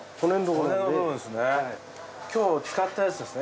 今日使ったやつですね